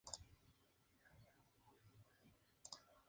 Tras la independencia de Ucrania regresó junto con su familia a Crimea.